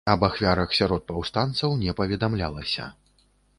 Аб ахвярах сярод паўстанцаў не паведамлялася.